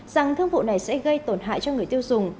rằng thương vụ này sẽ gây tổn hại cho người tiêu dùng